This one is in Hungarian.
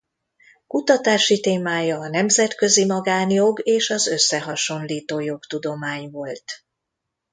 Kutatási témája a nemzetközi magánjog és az összehasonlító jogtudomány volt.